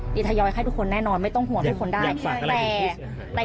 ดีกว่าดีกว่า